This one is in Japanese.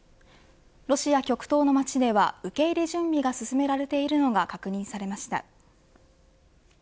ロシア極東の街では受け入れ準備を進めているのが確認されました。